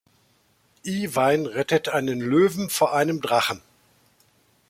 Iwein rettet einen Löwen vor einem Drachen.